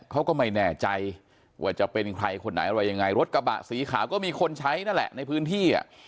เขาก็ไม่แน่ใจว่าจะเป็นใครคนไหนอะไรยังไงรถกระบะสีขาวก็มีคนใช้นั่นแหละในพื้นที่อ่ะ